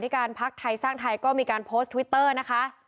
การพักไทยสร้างไทยก็มีการโพสต์ทวิตเตอร์นะคะ